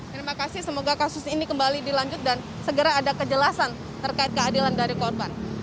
terima kasih semoga kasus ini kembali dilanjut dan segera ada kejelasan terkait keadilan dari korban